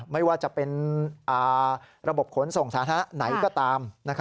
ไม่ว่าจะเป็นระบบขนส่งสาธารณะไหนก็ตาม